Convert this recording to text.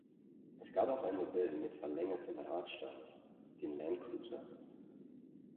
Es gab auch ein Modell mit verlängertem Radstand, den Land Cruiser.